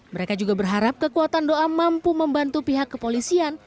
mereka juga berharap kekuatan doa mampu membantu pihak kepolisian